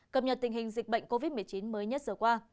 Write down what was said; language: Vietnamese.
cập nhật tình hình dịch bệnh covid một mươi chín mới nhất vừa qua